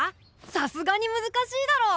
さすがに難しいだろ。